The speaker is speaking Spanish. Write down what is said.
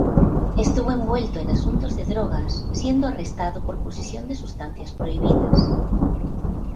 Estuvo envuelto en asuntos de drogas, siendo arrestado por posesión de sustancias prohibidas.